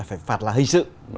phải phạt là hình sự